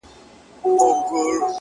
که پر سړک پروت وم دنیا ته په خندا مړ سوم